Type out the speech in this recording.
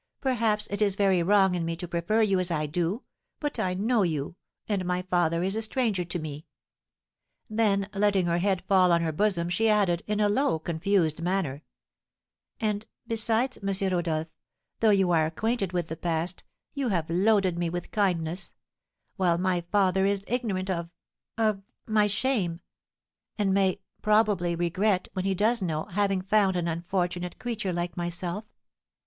Perhaps it is very wrong in me to prefer you as I do, but I know you, and my father is a stranger to me." Then letting her head fall on her bosom, she added, in a low, confused manner, "And besides, M. Rodolph, though you are acquainted with the past, you have loaded me with kindness; while my father is ignorant of of my shame, and may, probably, regret, when he does know, having found an unfortunate creature like myself.